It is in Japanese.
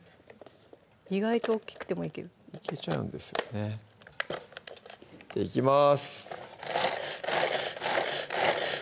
意外と大っきくてもいけるいけちゃうんですよねいきます！